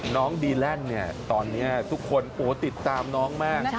น้องดีแลนด์เนี่ยตอนนี้ทุกคนติดตามน้องมาก